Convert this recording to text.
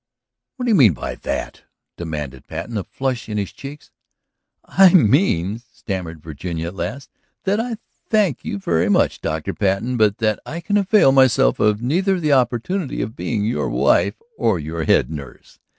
"What do you mean by that?" demanded Patten, a flush in his cheeks. "I mean," stammered Virginia at last, "that I thank you very much, Dr. Patten, but that I can avail myself of neither the opportunity of being your wife or your head nurse.